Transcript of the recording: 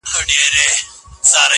او ښه په ډاگه درته وايمه چي,